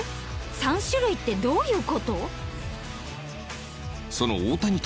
３種類ってどういう事？